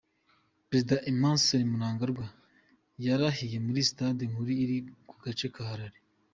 Perezida Emmerson Mnangagwa yarahiriye muri sitade nkuru iri mu gace ka Harare.